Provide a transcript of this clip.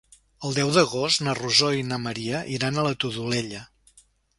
El deu d'agost na Rosó i na Maria iran a la Todolella.